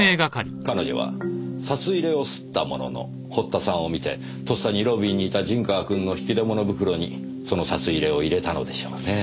彼女は札入れを掏ったものの堀田さんを見てとっさにロビーにいた陣川君の引き出物袋にその札入れを入れたのでしょうねぇ。